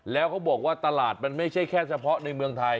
แล้วเขาบอกว่าตลาดมันไม่ใช่แค่เฉพาะในเมืองไทย